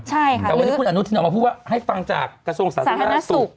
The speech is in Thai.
แต่วันนี้คุณอนุทินออกมาพูดว่าให้ฟังจากกระทรวงสาธารณสุข